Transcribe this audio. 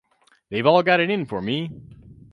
They've all got it in for me!